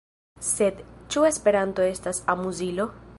Sed, ĉu Esperanto estas amuzilo?